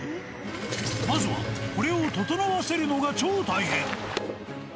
まずはこれをととのわせるのが超大変。